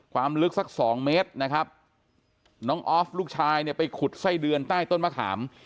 ความลึกสักสองเมตรนะครับน้องออฟลูกชายเนี่ยไปขุดไส้เดือนใต้ต้นมะขาม